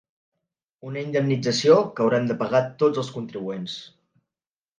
Una indemnització que hauran de pagar tots els contribuents .